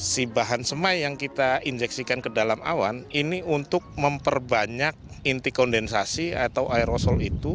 si bahan semai yang kita injeksikan ke dalam awan ini untuk memperbanyak inti kondensasi atau aerosol itu